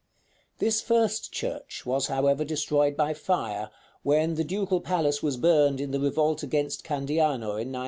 " § V. This first church was however destroyed by fire, when the Ducal Palace was burned in the revolt against Candiano, in 976.